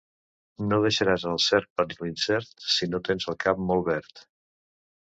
No deixaràs el cert per l'incert, si no tens el cap molt verd.